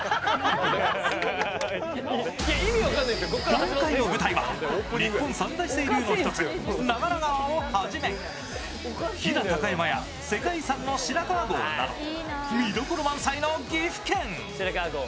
今回の舞台は日本三大清流の一つ、長良川をはじめ飛騨高山や世界遺産の白川郷など見どころ満載の岐阜県。